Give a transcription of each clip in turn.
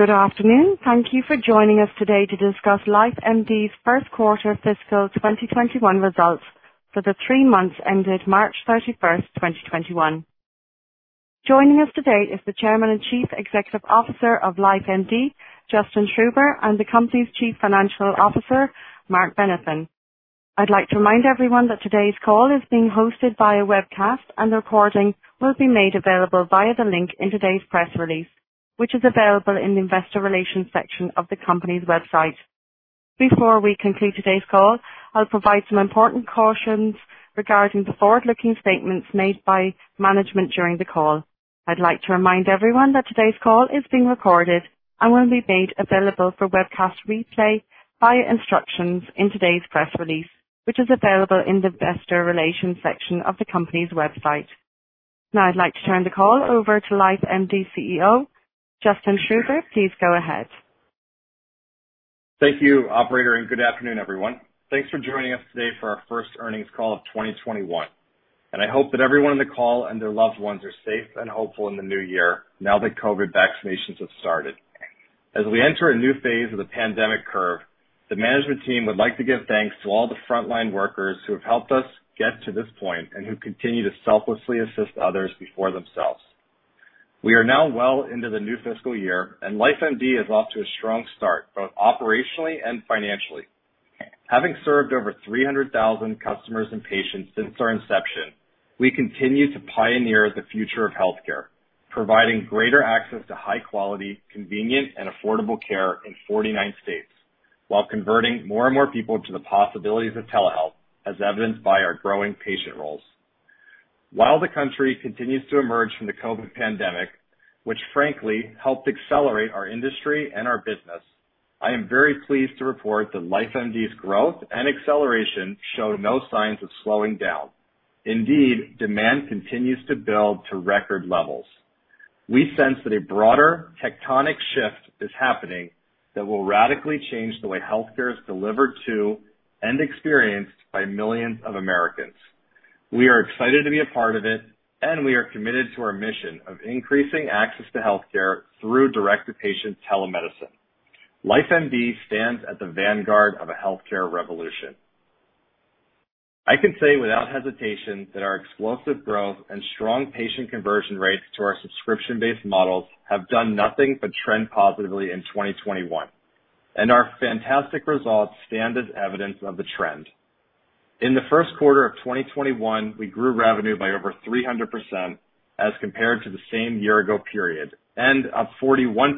Good afternoon. Thank you for joining us today to discuss LifeMD's Q1 fiscal 2021 results for the three months ended March 31st, 2021. Joining us today is the Chairman and Chief Executive Officer of LifeMD, Justin Schreiber, and the company's Chief Financial Officer, Marc Benathen. I'd like to remind everyone that today's call is being hosted by a webcast, and a recording will be made available via the link in today's press release, which is available in the investor relations section of the company's website. Before we conclude today's call, I'll provide some important cautions regarding the forward-looking statements made by management during the call. I'd like to remind everyone that today's call is being recorded and will be made available for webcast replay via instructions in today's press release, which is available in the investor relations section of the company's website. Now I'd like to turn the call over to LifeMD CEO, Justin Schreiber. Please go ahead. Thank you, operator. Good afternoon, everyone. Thanks for joining us today for our first earnings call of 2021. I hope that everyone on the call and their loved ones are safe and hopeful in the new year now that COVID vaccinations have started. As we enter a new phase of the pandemic curve, the management team would like to give thanks to all the frontline workers who have helped us get to this point and who continue to selflessly assist others before themselves. We are now well into the new fiscal year. LifeMD is off to a strong start, both operationally and financially. Having served over 300,000 customers and patients since our inception, we continue to pioneer the future of healthcare, providing greater access to high quality, convenient, and affordable care in 49 states while converting more and more people to the possibilities of telehealth, as evidenced by our growing patient rolls. While the country continues to emerge from the COVID pandemic, which frankly helped accelerate our industry and our business, I am very pleased to report that LifeMD's growth and acceleration show no signs of slowing down. Indeed, demand continues to build to record levels. We sense that a broader tectonic shift is happening that will radically change the way healthcare is delivered to and experienced by millions of Americans. We are excited to be a part of it, and we are committed to our mission of increasing access to healthcare through direct-to-patient telemedicine. LifeMD stands at the vanguard of a healthcare revolution. I can say without hesitation that our explosive growth and strong patient conversion rates to our subscription-based models have done nothing but trend positively in 2021, and our fantastic results stand as evidence of the trend. In the Q1 of 2021, we grew revenue by over 300% as compared to the same year ago period, and up 41%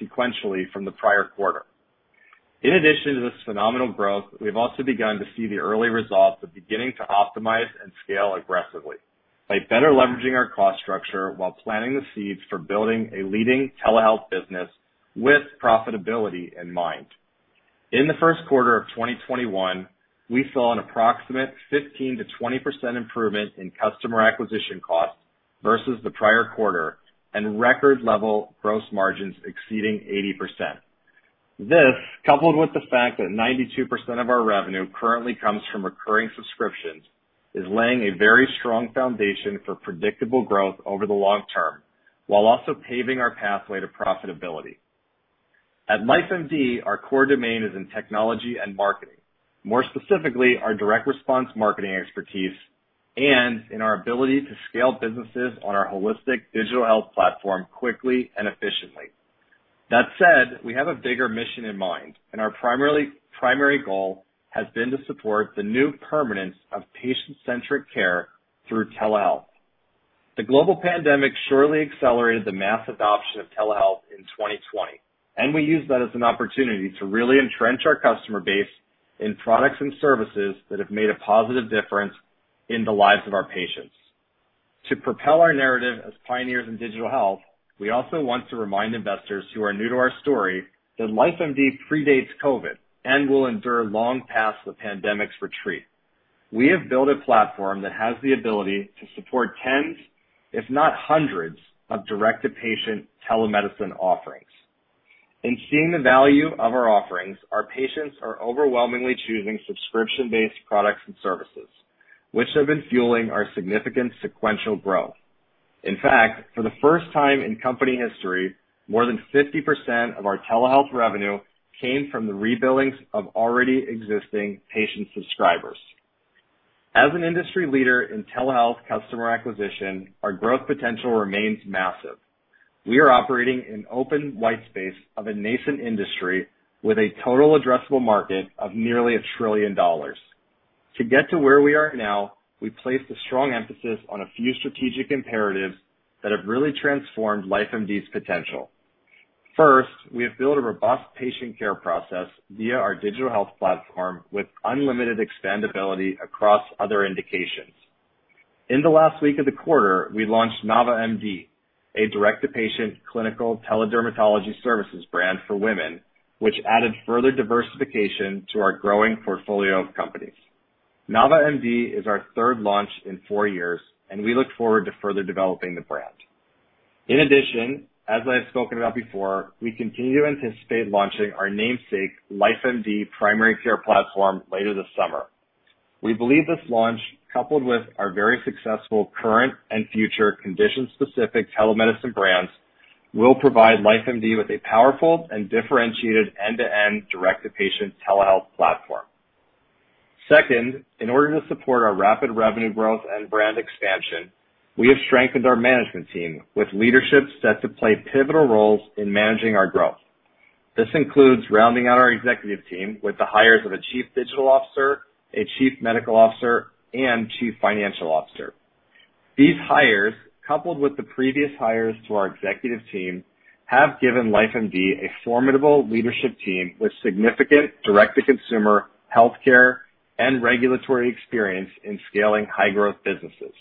sequentially from the prior quarter. In addition to this phenomenal growth, we've also begun to see the early results of beginning to optimize and scale aggressively by better leveraging our cost structure while planting the seeds for building a leading telehealth business with profitability in mind. In the Q1 of 2021, we saw an approximate 15%-20% improvement in customer acquisition costs versus the prior quarter and record level gross margins exceeding 80%. This, coupled with the fact that 92% of our revenue currently comes from recurring subscriptions, is laying a very strong foundation for predictable growth over the long term, while also paving our pathway to profitability. At LifeMD, our core domain is in technology and marketing, more specifically, our direct response marketing expertise and in our ability to scale businesses on our holistic digital health platform quickly and efficiently. That said, we have a bigger mission in mind, and our primary goal has been to support the new permanence of patient-centric care through telehealth. The global pandemic surely accelerated the mass adoption of telehealth in 2020, and we used that as an opportunity to really entrench our customer base in products and services that have made a positive difference in the lives of our patients. To propel our narrative as pioneers in digital health, we also want to remind investors who are new to our story that LifeMD predates COVID and will endure long past the pandemic's retreat. We have built a platform that has the ability to support tens, if not hundreds, of direct-to-patient telemedicine offerings. In seeing the value of our offerings, our patients are overwhelmingly choosing subscription-based products and services, which have been fueling our significant sequential growth. In fact, for the first time in company history, more than 50% of our telehealth revenue came from the re-billings of already existing patient subscribers. As an industry leader in telehealth customer acquisition, our growth potential remains massive. We are operating in open white space of a nascent industry with a total addressable market of nearly $1 trillion. To get to where we are now, we placed a strong emphasis on a few strategic imperatives that have really transformed LifeMD's potential. First, we have built a robust patient care process via our digital health platform with unlimited expandability across other indications. In the last week of the quarter, we launched Nava MD, a direct-to-patient clinical tele-dermatology services brand for women, which added further diversification to our growing portfolio of companies. Nava MD is our third launch in four years, and we look forward to further developing the brand. In addition, as I have spoken about before, we continue to anticipate launching our namesake LifeMD primary care platform later this summer. We believe this launch, coupled with our very successful current and future condition-specific telemedicine brands, will provide LifeMD with a powerful and differentiated end-to-end direct-to-patient telehealth platform. Second, in order to support our rapid revenue growth and brand expansion, we have strengthened our management team with leadership set to play pivotal roles in managing our growth. This includes rounding out our executive team with the hires of a Chief Digital Officer, a Chief Medical Officer, and Chief Financial Officer. These hires, coupled with the previous hires to our executive team, have given LifeMD a formidable leadership team with significant direct-to-consumer healthcare and regulatory experience in scaling high-growth businesses.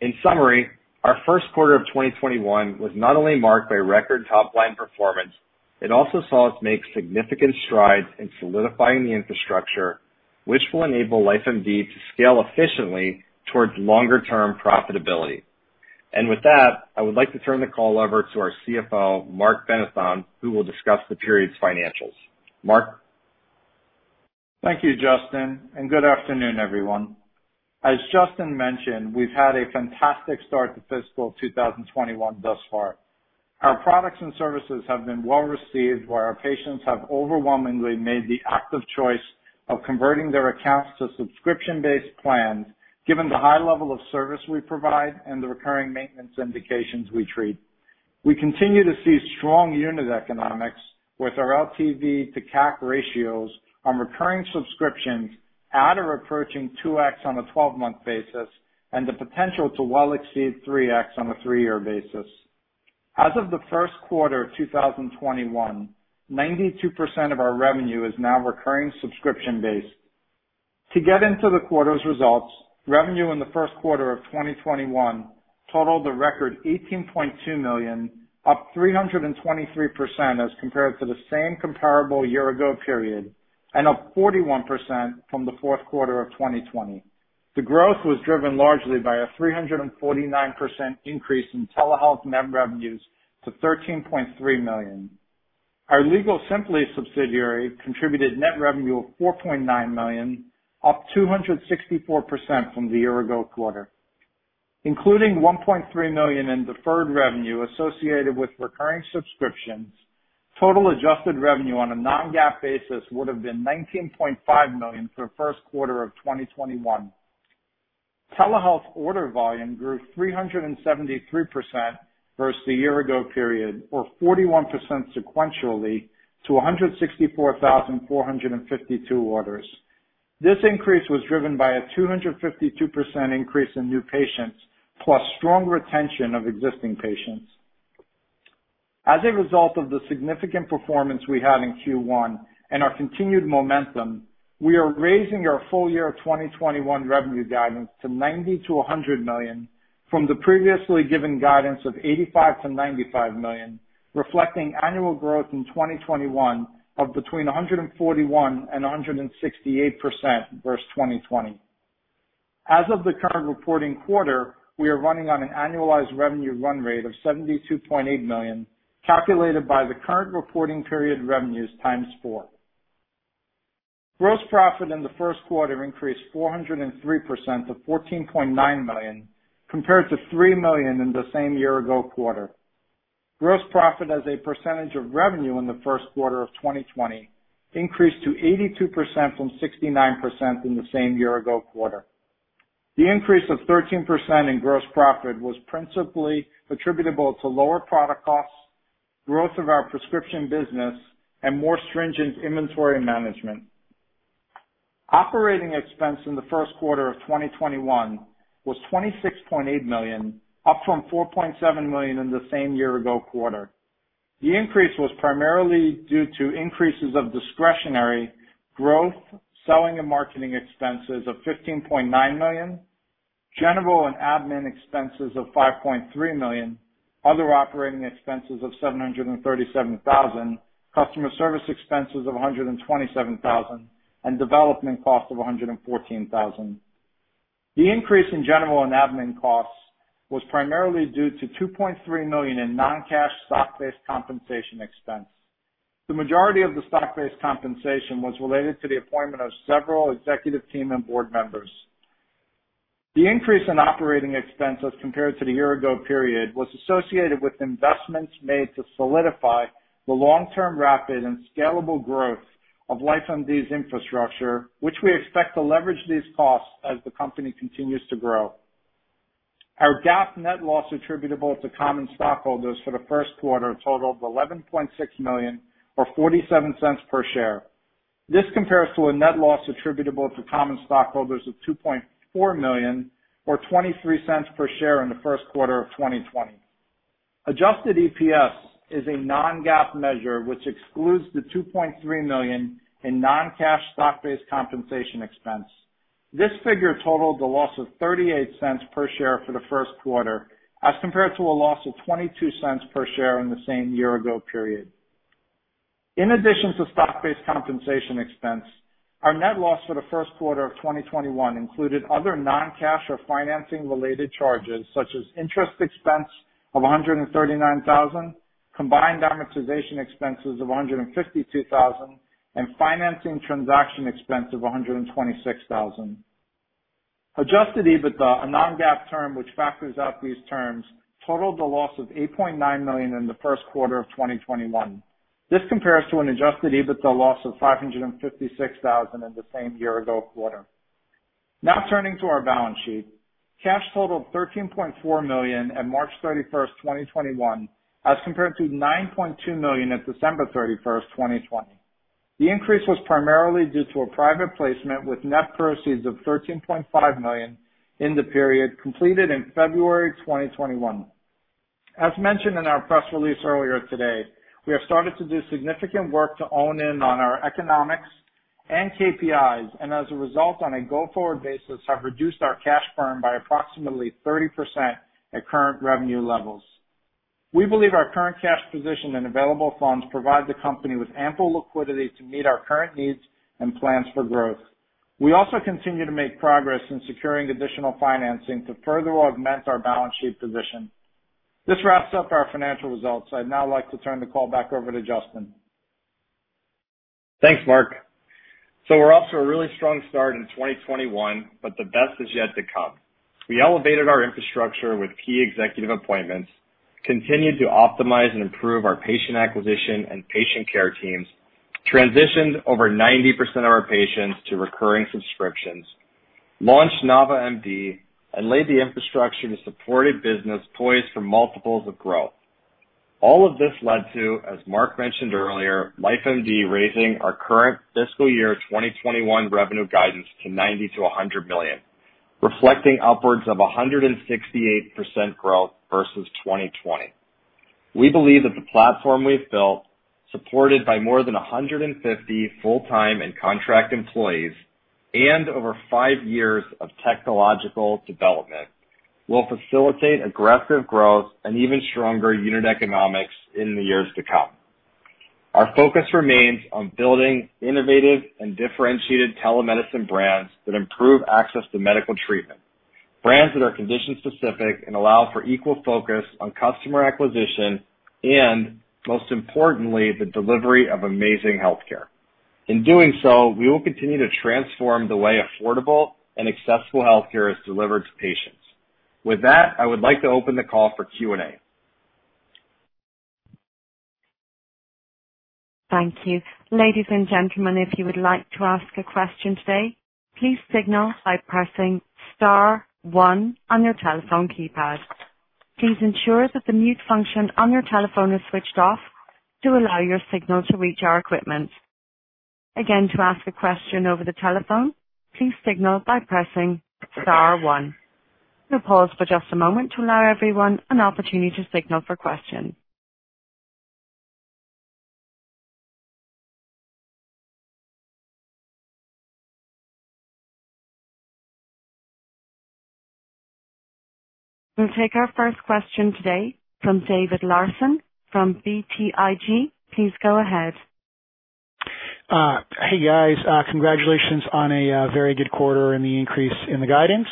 In summary, our Q1 of 2021 was not only marked by record top-line performance, it also saw us make significant strides in solidifying the infrastructure, which will enable LifeMD to scale efficiently towards longer-term profitability. With that, I would like to turn the call over to our CFO, Marc Benathen, who will discuss the period's financials. Marc? Thank you, Justin. Good afternoon, everyone. As Justin mentioned, we've had a fantastic start to fiscal 2021 thus far. Our products and services have been well-received, where our patients have overwhelmingly made the active choice of converting their accounts to subscription-based plans, given the high level of service we provide and the recurring maintenance indications we treat. We continue to see strong unit economics with our LTV to CAC ratios on recurring subscriptions at or approaching 2x on a 12-month basis, and the potential to well exceed 3x on a three-year basis. As of the Q1 of 2021, 92% of our revenue is now recurring subscription-based. To get into the quarter's results, revenue in the Q1 of 2021 totaled a record $18.2 million, up 323% as compared to the same comparable year-ago period, and up 41% from the Q4 of 2020. The growth was driven largely by a 349% increase in telehealth net revenues to $13.3 million. Our WorkSimpli subsidiary contributed net revenue of $4.9 million, up 264% from the year-ago quarter. Including $1.3 million in deferred revenue associated with recurring subscriptions, total adjusted revenue on a non-GAAP basis would've been $19.5 million for the Q1 of 2021. Telehealth order volume grew 373% versus the year-ago period, or 41% sequentially, to 164,452 orders. This increase was driven by a 252% increase in new patients, plus strong retention of existing patients. As a result of the significant performance we had in Q1 and our continued momentum, we are raising our full year 2021 revenue guidance to $90 million-$100 million from the previously given guidance of $85 million-$95 million, reflecting annual growth in 2021 of between 141% and 168% versus 2020. As of the current reporting quarter, we are running on an annualized revenue run rate of $72.8 million, calculated by the current reporting period revenues times four. Gross profit in the Q1 increased 403% to $14.9 million, compared to $3 million in the same year-ago quarter. Gross profit as a percentage of revenue in the Q1 of 2020 increased to 82% from 69% in the same year-ago quarter. The increase of 13% in gross profit was principally attributable to lower product costs, growth of our prescription business, and more stringent inventory management. Operating expense in the Q1 of 2021 was $26.8 million, up from $4.7 million in the same year-ago quarter. The increase was primarily due to increases of discretionary growth, selling and marketing expenses of $15.9 million, general and admin expenses of $5.3 million, other operating expenses of $737,000, customer service expenses of $127,000, and development cost of $114,000. The increase in general and admin costs was primarily due to $2.3 million in non-cash stock-based compensation expense. The majority of the stock-based compensation was related to the appointment of several executive team and board members. The increase in operating expense as compared to the year-ago period was associated with investments made to solidify the long-term rapid and scalable growth of LifeMD's infrastructure, which we expect to leverage these costs as the company continues to grow. Our GAAP net loss attributable to common stockholders for the Q1 totaled $11.6 million, or $0.47 per share. This compares to a net loss attributable to common stockholders of $2.4 million, or $0.23 per share, in the Q1 of 2020. Adjusted EPS is a non-GAAP measure, which excludes the $2.3 million in non-cash stock-based compensation expense. This figure totaled a loss of $0.38 per share for the Q1, as compared to a loss of $0.22 per share in the same year-ago period. In addition to stock-based compensation expense, our net loss for the Q1 of 2021 included other non-cash or financing-related charges, such as interest expense of $139,000, combined amortization expenses of $152,000 and financing transaction expense of $126,000. Adjusted EBITDA, a non-GAAP term which factors out these terms, totaled a loss of $8.9 million in the Q1 of 2021. This compares to an adjusted EBITDA loss of $556,000 in the same year-ago quarter. Now turning to our balance sheet. Cash totaled $13.4 million in March 31st, 2021, as compared to $9.2 million at December 31st, 2020. The increase was primarily due to a private placement with net proceeds of $13.5 million in the period completed in February 2021. As mentioned in our press release earlier today, we have started to do significant work to own in on our economics and KPIs, and as a result, on a go-forward basis, have reduced our cash burn by approximately 30% at current revenue levels. We believe our current cash position and available funds provide the company with ample liquidity to meet our current needs and plans for growth. We also continue to make progress in securing additional financing to further augment our balance sheet position. This wraps up our financial results. I'd now like to turn the call back over to Justin. Thanks, Marc. We're off to a really strong start in 2021, but the best is yet to come. We elevated our infrastructure with key executive appointments, continued to optimize and improve our patient acquisition and patient care teams, transitioned over 90% of our patients to recurring subscriptions, launched Nava MD, and laid the infrastructure to support a business poised for multiples of growth. All of this led to, as Marc mentioned earlier, LifeMD raising our current fiscal year 2021 revenue guidance to $90 million-$100 million, reflecting upwards of 168% growth versus 2020. We believe that the platform we've built, supported by more than 150 full-time and contract employees and over five years of technological development, will facilitate aggressive growth and even stronger unit economics in the years to come. Our focus remains on building innovative and differentiated telemedicine brands that improve access to medical treatment. Brands that are condition-specific and allow for equal focus on customer acquisition and, most importantly, the delivery of amazing healthcare. In doing so, we will continue to transform the way affordable and accessible healthcare is delivered to patients. With that, I would like to open the call for Q&A. Thank you. Ladies and gentlemen, if you would like to ask a question today, please signal by pressing star one on your telephone keypad. Please ensure that the mute function on your telephone is switched off to allow your signal to reach our equipment. Again, to ask a question over the telephone, please signal by pressing star one. We'll pause for just a moment to allow everyone an opportunity to signal for questions. We'll take our first question today from David Larsen from BTIG. Please go ahead. Hey, guys. Congratulations on a very good quarter and the increase in the guidance.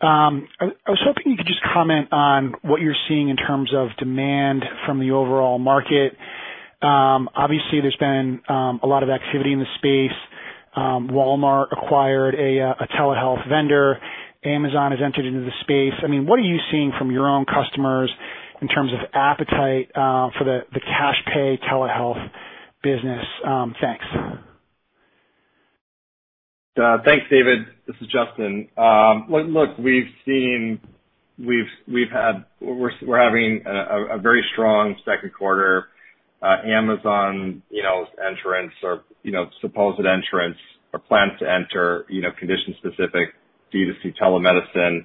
I was hoping you could just comment on what you're seeing in terms of demand from the overall market. Obviously, there's been a lot of activity in the space. Walmart acquired a telehealth vendor. Amazon has entered into the space. What are you seeing from your own customers in terms of appetite for the cash pay telehealth business? Thanks. Thanks, David. This is Justin. Look, we're having a very strong Q2. Amazon's entrance or supposed entrance or plan to enter condition-specific D2C telemedicine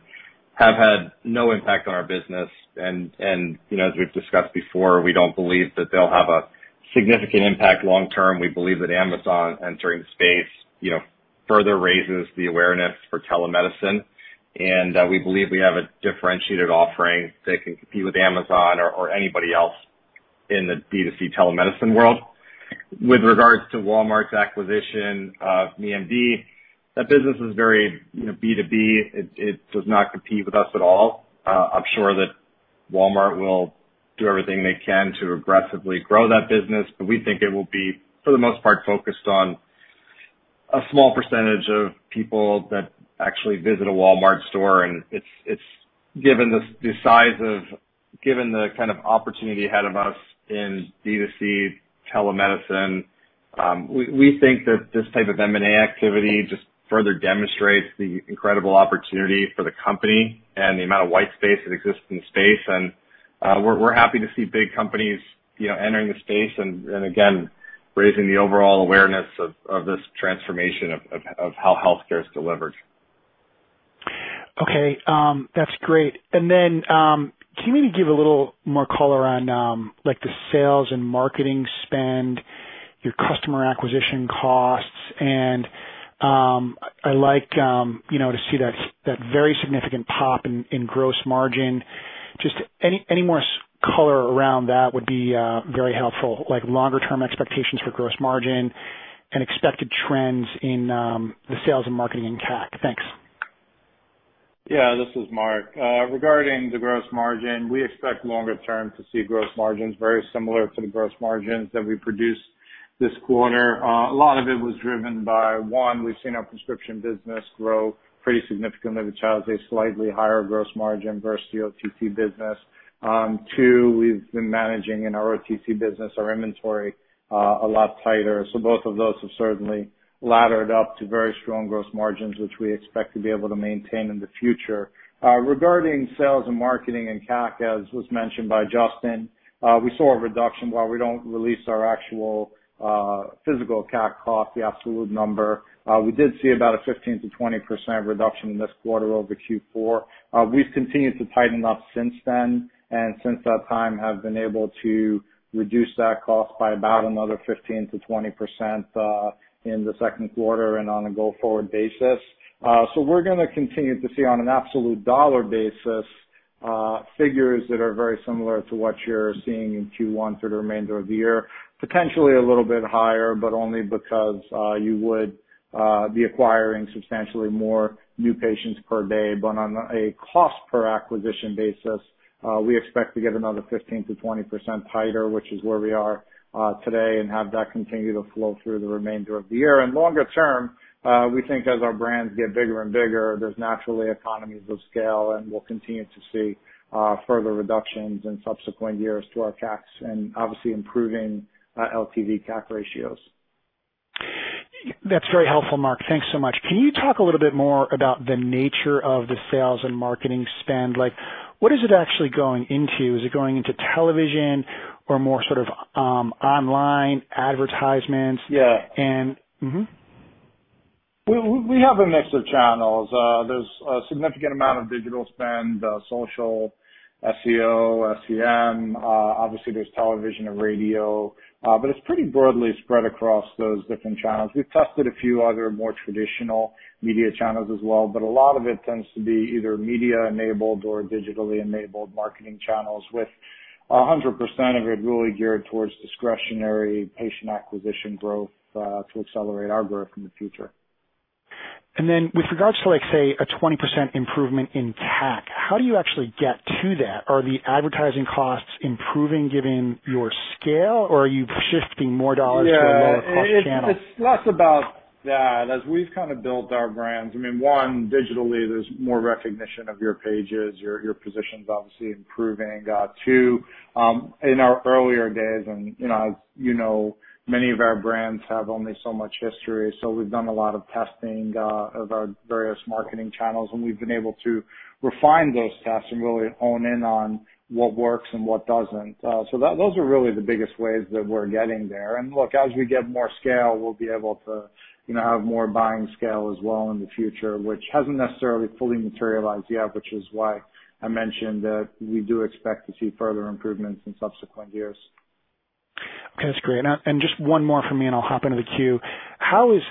have had no impact on our business. As we've discussed before, we don't believe that they'll have a significant impact long term. We believe that Amazon entering the space further raises the awareness for telemedicine, and we believe we have a differentiated offering that can compete with Amazon or anybody else in the D2C telemedicine world. With regards to Walmart's acquisition of MeMD, that business is very B2B. It does not compete with us at all. I'm sure that Walmart will do everything they can to aggressively grow that business, but we think it will be, for the most part, focused on a small percentage of people that actually visit a Walmart store. Given the kind of opportunity ahead of us in D2C telemedicine, we think that this type of M&A activity just further demonstrates the incredible opportunity for the company and the amount of white space that exists in the space. We're happy to see big companies entering the space and, again, raising the overall awareness of this transformation of how healthcare is delivered. Okay. That's great. Can you maybe give a little more color on the sales and marketing spend, your customer acquisition costs? I like to see that very significant pop in gross margin. Just any more color around that would be very helpful, like longer term expectations for gross margin and expected trends in the sales and marketing in CAC. Thanks. Yeah, this is Marc. Regarding the gross margin, we expect longer term to see gross margins very similar to the gross margins that we produced this quarter. A lot of it was driven by, one, we've seen our prescription business grow pretty significantly, which has a slightly higher gross margin versus the OTC business. Two, we've been managing in our OTC business, our inventory, a lot tighter. Both of those have certainly laddered up to very strong gross margins, which we expect to be able to maintain in the future. Regarding sales and marketing and CAC, as was mentioned by Justin, we saw a reduction. While we don't release our actual physical CAC cost, the absolute number, we did see about a 15%-20% reduction in this quarter over Q4. We've continued to tighten up since then, and since that time have been able to reduce that cost by about another 15%-20% in the Q2 and on a go-forward basis. We're going to continue to see on an absolute dollar basis, figures that are very similar to what you're seeing in Q1 for the remainder of the year, potentially a little bit higher, but only because you would be acquiring substantially more new patients per day. On a cost per acquisition basis, we expect to get another 15%-20% tighter, which is where we are today, and have that continue to flow through the remainder of the year. Longer term, we think as our brands get bigger and bigger, there's naturally economies of scale, and we'll continue to see further reductions in subsequent years to our CACs and obviously improving our LTV CAC ratios. That's very helpful, Marc. Thanks so much. Can you talk a little bit more about the nature of the sales and marketing spend? What is it actually going into? Is it going into television or more sort of online advertisements? Yeah. Mm-hmm. We have a mix of channels. There's a significant amount of digital spend, social, SEO, SEM, obviously there's television and radio. It's pretty broadly spread across those different channels. We've tested a few other more traditional media channels as well, but a lot of it tends to be either media-enabled or digitally-enabled marketing channels with 100% of it really geared towards discretionary patient acquisition growth, to accelerate our growth in the future. With regards to, let's say, a 20% improvement in CAC, how do you actually get to that? Are the advertising costs improving given your scale, or are you shifting more dollars to a lower cost channel? Yeah. It's less about that. We've kind of built our brands, I mean, one, digitally, there's more recognition of our pages, our position's obviously improving. Two, in our earlier days as you know, many of our brands have only so much history. We've done a lot of testing of our various marketing channels, we've been able to refine those tests and really hone in on what works and what doesn't. Those are really the biggest ways that we're getting there. Look, as we get more scale, we'll be able to have more buying scale as well in the future, which hasn't necessarily fully materialized yet, which is why I mentioned that we do expect to see further improvements in subsequent years. Okay, that's great. Just one more from me, and I'll hop into the queue. How is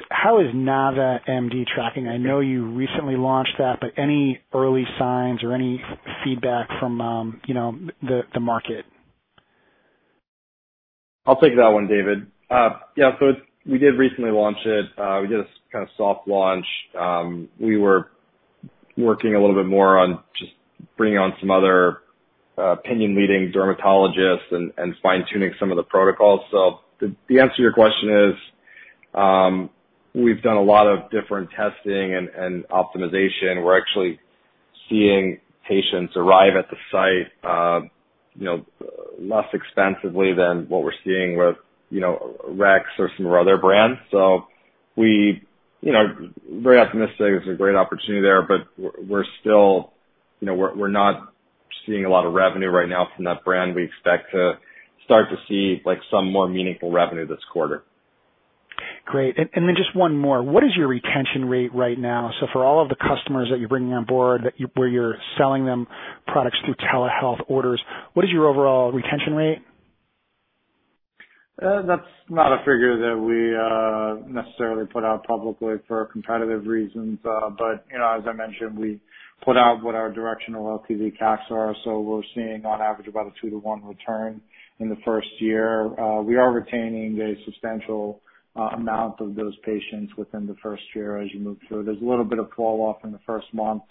Nava MD tracking? I know you recently launched that, any early signs or any feedback from the market? I'll take that one, David. Yeah, we did recently launch it. We did a kind of soft launch. We were working a little bit more on just bringing on some other opinion leading dermatologists and fine-tuning some of the protocols. The answer to your question is, we've done a lot of different testing and optimization. We're actually seeing patients arrive at the site less expensively than what we're seeing with RexMD or some of our other brands. We, very optimistic there's a great opportunity there, but we're not seeing a lot of revenue right now from that brand. We expect to start to see some more meaningful revenue this quarter. Great. Just one more. What is your retention rate right now? For all of the customers that you're bringing on board, where you're selling them products through telehealth orders, what is your overall retention rate? That's not a figure that we necessarily put out publicly for competitive reasons. As I mentioned, we put out what our directional LTV CACs are. We're seeing on average about a two to one return in the first year. We are retaining a substantial amount of those patients within the first year as you move through. There's a little bit of fall off in the first month.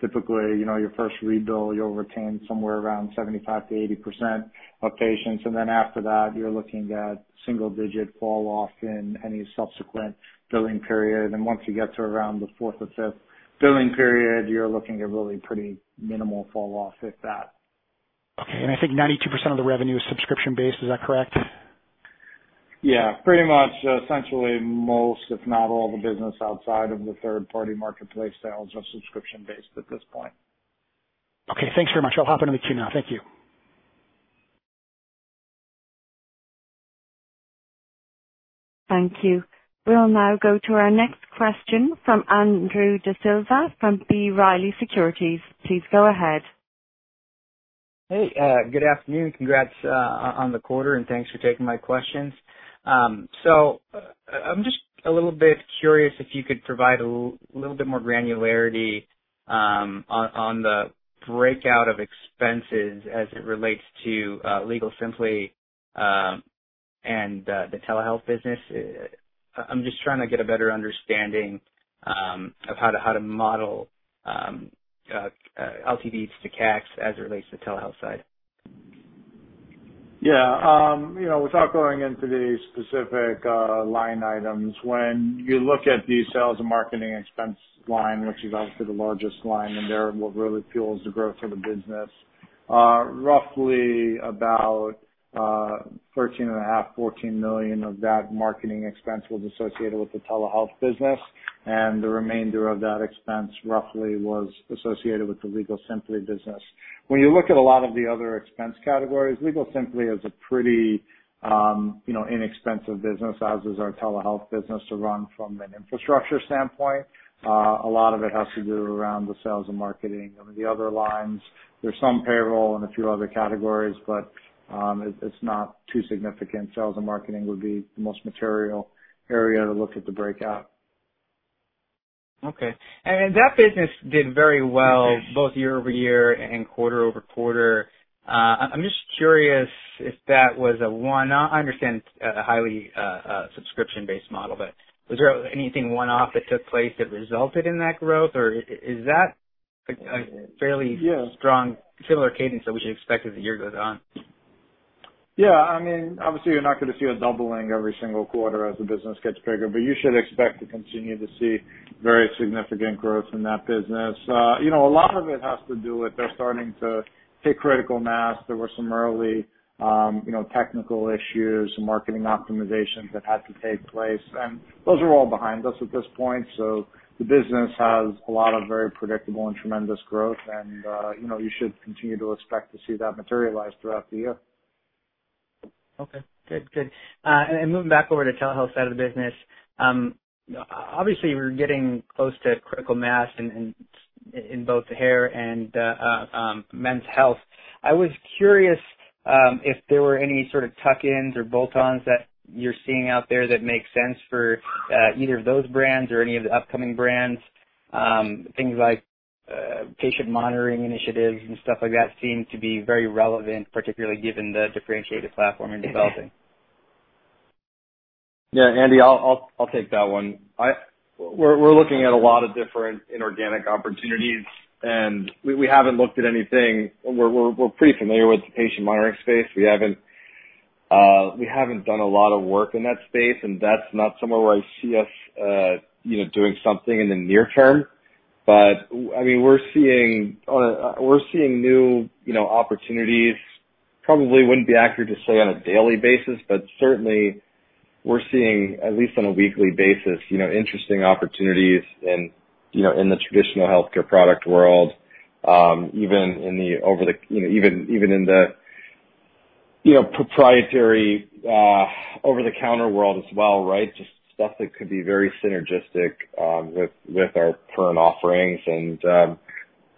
Typically, your first rebill, you'll retain somewhere around 75%-80% of patients. After that, you're looking at single-digit fall off in any subsequent billing period. Once you get to around the fourth or fifth billing period, you're looking at really pretty minimal fall off, if that. Okay. I think 92% of the revenue is subscription-based, is that correct? Yeah, pretty much essentially most, if not all of the business outside of the third-party marketplace sales are subscription-based at this point. Okay, thanks very much. I'll hop into the queue now. Thank you. Thank you. We will now go to our next question from Andrew D'Silva from B. Riley Securities. Please go ahead. Hey, good afternoon. Congrats on the quarter, and thanks for taking my questions. I'm just a little bit curious if you could provide a little bit more granularity on the breakout of expenses as it relates to WorkSimpli and the telehealth business. I'm just trying to get a better understanding of how to model LTV to cash as it relates to telehealth side. Yeah. Without going into the specific line items, when you look at the sales and marketing expense line, which is obviously the largest line in there and what really fuels the growth of the business, roughly about $13.5 million-$14 million of that marketing expense was associated with the telehealth business, and the remainder of that expense roughly was associated with the WorkSimpli business. When you look at a lot of the other expense categories, WorkSimpli is a pretty inexpensive business, as is our telehealth business to run from an infrastructure standpoint. A lot of it has to do around the sales and marketing. I mean, the other lines, there's some payroll and a few other categories, but it's not too significant. Sales and marketing would be the most material area to look at the breakout. Okay. That business did very well both year-over-year and quarter-over-quarter. I'm just curious if that was a one-off. I understand it's a highly subscription-based model, but was there anything one-off that took place that resulted in that growth? Yeah. Strong, similar cadence that we should expect as the year goes on? Yeah. Obviously, you're not going to see a doubling every single quarter as the business gets bigger, but you should expect to continue to see very significant growth in that business. A lot of it has to do with they're starting to hit critical mass. There were some early technical issues and marketing optimizations that had to take place, and those are all behind us at this point. The business has a lot of very predictable and tremendous growth and you should continue to expect to see that materialize throughout the year. Okay. Good. Moving back over to telehealth side of the business. Obviously, we're getting close to critical mass in both the hair and men's health. I was curious if there were any sort of tuck-ins or bolt-ons that you're seeing out there that make sense for either of those brands or any of the upcoming brands. Things like patient monitoring initiatives and stuff like that seem to be very relevant, particularly given the differentiated platform you're developing. Yeah, Andy, I'll take that one. We're looking at a lot of different inorganic opportunities, and we haven't looked at anything. We're pretty familiar with the patient monitoring space. We haven't done a lot of work in that space, and that's not somewhere where I see us doing something in the near term. We're seeing new opportunities, probably wouldn't be accurate to say on a daily basis, but certainly we're seeing, at least on a weekly basis, interesting opportunities in the traditional healthcare product world. Even in the proprietary over-the-counter world as well, right? Just stuff that could be very synergistic with our current offerings.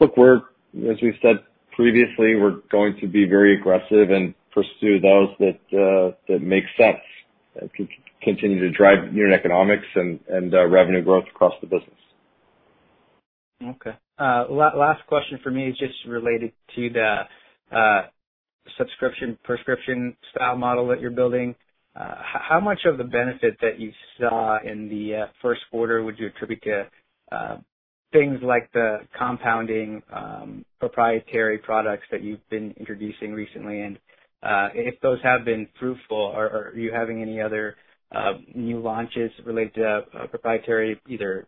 Look, as we said previously, we're going to be very aggressive and pursue those that make sense and continue to drive unit economics and revenue growth across the business. Okay. Last question for me is just related to the subscription prescription style model that you're building. How much of the benefit that you saw in the Q1 would you attribute to things like the compounding proprietary products that you've been introducing recently? If those have been fruitful or are you having any other new launches related to proprietary, either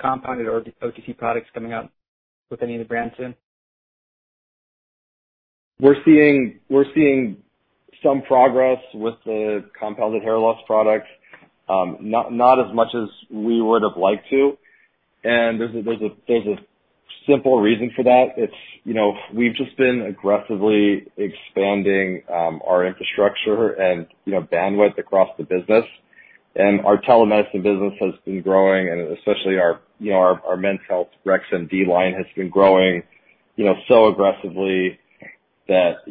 compounded or OTC products coming out with any of the brands soon? We're seeing some progress with the compounded hair loss products. Not as much as we would've liked to. There's a simple reason for that. We've just been aggressively expanding our infrastructure and bandwidth across the business. Our telemedicine business has been growing, and especially our Men's Health RexMD line has been growing so aggressively that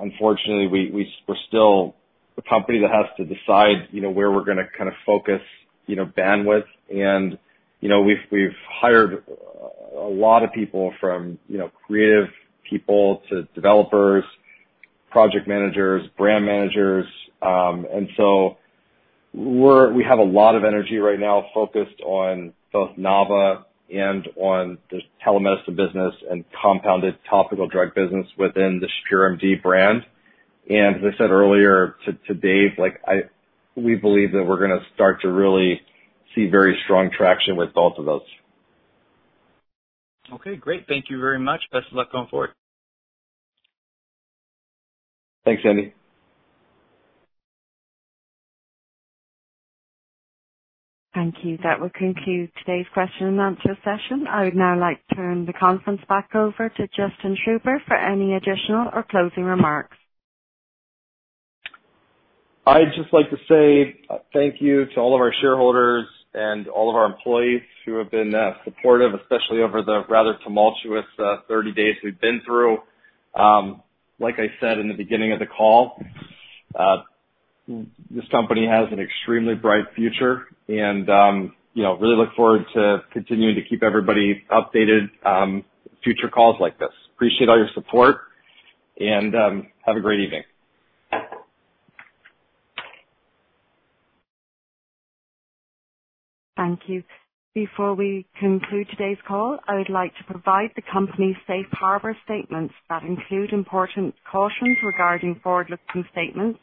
unfortunately we're still a company that has to decide where we're going to kind of focus bandwidth. We've hired a lot of people from creative people to developers, project managers, brand managers. We have a lot of energy right now focused on both Nava and on this telemedicine business and compounded topical drug business within the Shapiro MD brand. As I said earlier to Dave, we believe that we're going to start to really see very strong traction with both of those. Okay, great. Thank you very much. Best of luck going forward. Thanks, Andy. Thank you. That will conclude today's question and answer session. I would now like to turn the conference back over to Justin Schreiber for any additional or closing remarks. I'd just like to say thank you to all of our shareholders and all of our employees who have been supportive, especially over the rather tumultuous 30 days we've been through. Like I said in the beginning of the call, this company has an extremely bright future, and I really look forward to continuing to keep everybody updated. Future calls like this. Appreciate all your support and have a great evening. Thank you. Before we conclude today's call, I would like to provide the company's Safe Harbor statements that include important cautions regarding forward-looking statements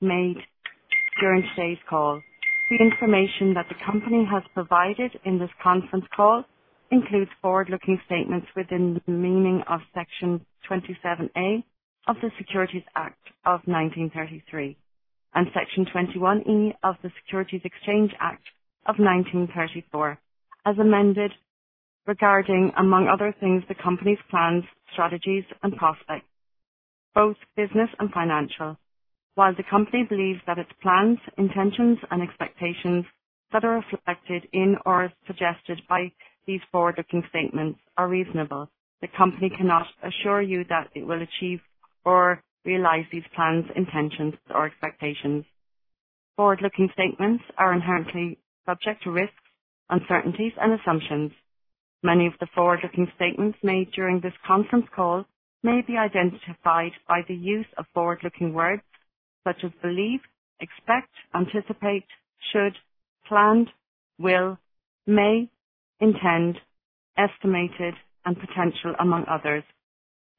made during today's call. The information that the company has provided in this conference call includes forward-looking statements within the meaning of Section 27A of the Securities Act of 1933 and Section 21E of the Securities Exchange Act of 1934, as amended, regarding, among other things, the company's plans, strategies, and prospects, both business and financial. While the company believes that its plans, intentions, and expectations that are reflected in or suggested by these forward-looking statements are reasonable, the company cannot assure you that it will achieve or realize these plans, intentions, or expectations. Forward-looking statements are inherently subject to risks, uncertainties, and assumptions. Many of the forward-looking statements made during this conference call may be identified by the use of forward-looking words such as believe, expect, anticipate, should, planned, will, may, intend, estimated, and potential, among others.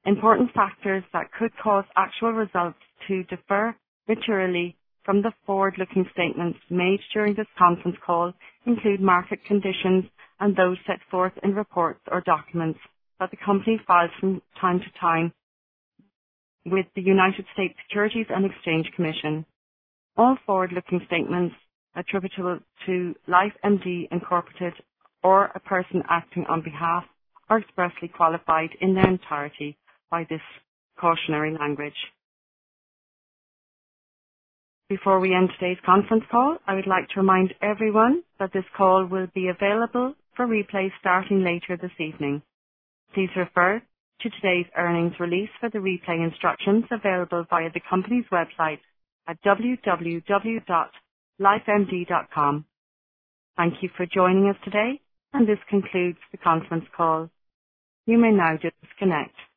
Important factors that could cause actual results to differ materially from the forward-looking statements made during this conference call include market conditions and those set forth in reports or documents that the company files from time to time with the United States Securities and Exchange Commission. All forward-looking statements attributable to LifeMD, Inc. or a person acting on behalf are expressly qualified in their entirety by this cautionary language. Before we end today's conference call, I would like to remind everyone that this call will be available for replay starting later this evening. Please refer to today's earnings release for the replay instructions available via the company's website at www.lifemd.com. Thank you for joining us today, and this concludes the conference call. You may now disconnect.